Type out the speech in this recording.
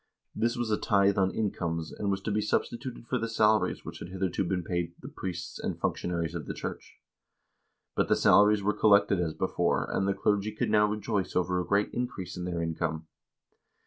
This was a tithe on incomes, and was to be sub stituted for the salaries which had hitherto been paid the priests and functionaries of the church. But the salaries were collected as before, and the clergy could now rejoice over a great increase in their income.